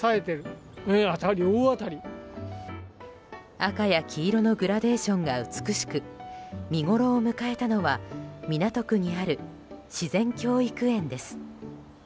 赤や黄色のグラデーションが美しく見ごろを迎えたのは港区にある自然教育園です。